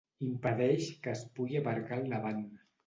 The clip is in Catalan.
Impedeix que es pugui aparcar al davant.